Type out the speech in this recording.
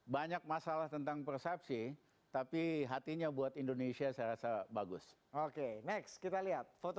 banyak masalah tentang persepsi tapi hatinya buat indonesia saya rasa bagus oke next kita lihat foto